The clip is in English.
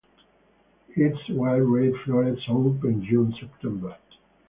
Its white ray florets open June–September.